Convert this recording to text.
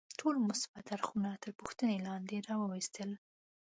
ټول مثبت اړخونه تر پوښتنې لاندې راوستل.